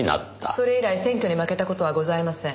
それ以来選挙に負けた事はございません。